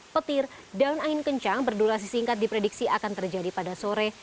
petir daun angin kencang berdurasi singkat diprediksi akan terjadi pada sore